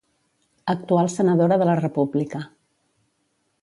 Actual senadora de la República.